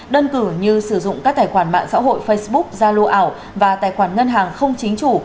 đơn cử như sử dụng các tài khoản mạng xã hội facebook zalo ảo và tài khoản ngân hàng không chính chủ